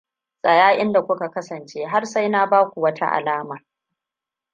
Tsaya inda kuka kasance har sai na baku wata alama.